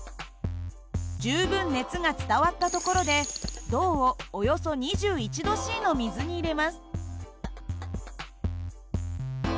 十分熱が伝わったところで銅をおよそ２１℃の水に入れます。